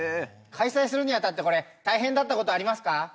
開催するにあたってこれ大変だった事ありますか？